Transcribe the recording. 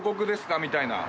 みたいな。